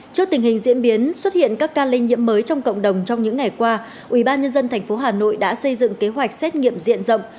trước tình hình diễn biến xuất hiện các ca lây nhiễm mới trong cộng đồng trong những ngày qua ủy ban nhân dân tp hà nội đã xây dựng kế hoạch xét nghiệm diện rộng